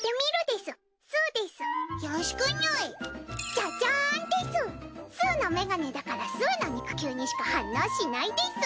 すうのメガネだからすうの肉球にしか反応しないです。